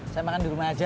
saya makan di rumah aja